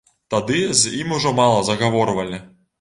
Тады з ім ужо мала загаворвалі.